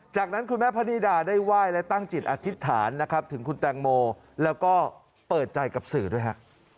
จากนั้นคุณแม่พนิดาได้ไหว้และตั้งจิตอธิษฐานนะครับถึงคุณแตงโมแล้วก็เปิดใจกับสื่อด้วยฮะ